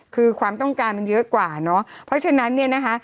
คือความต้องการมันเยอะกว่าเนอะเพราะฉะนั้นเนี่ยนะคะ